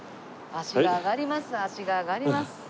足が上がります。